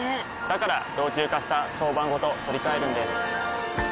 から老朽化した床版ごと取り替えるんです。